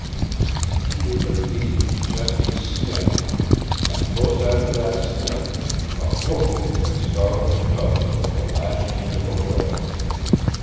She gave a deep, chesty sniff, and close after that sniff a WHOOF that startled the cubs like the lashing end of a whip.